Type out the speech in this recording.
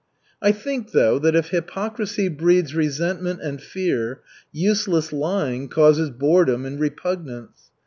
I think, though, that if hypocrisy breeds resentment and fear, useless lying causes boredom and repugnance.